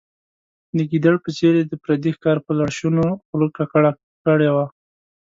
د ګیدړ په څېر یې د پردي ښکار په لړشونو خوله ککړه کړې وه.